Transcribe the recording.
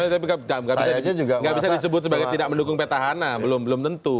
semangatnya sama tapi gak bisa disebut sebagai tidak mendukung peta hana belum tentu